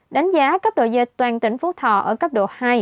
đánh giá cấp độ dịch toàn tỉnh phú thọ ở cấp độ hai